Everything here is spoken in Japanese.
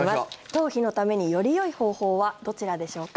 頭皮のためによりよい方法はどちらでしょうか。